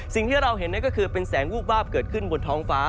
สิ่งที่เราเห็นนั่นก็คือเป็นแสงวูบวาบเกิดขึ้นบนท้องฟ้า